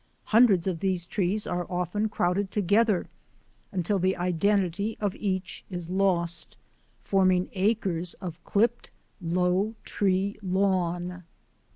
Hundreds of these trees are often crowded together until the identity of each is lost, forming acres of clipped, low tree lawn.